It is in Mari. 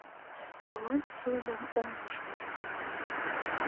Молан сылным ом уж мый